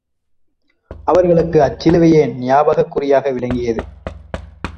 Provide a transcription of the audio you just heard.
அவர்களுக்கும் அச்சிலுவையே ஞாபகக் குறியாக விளங்கியது.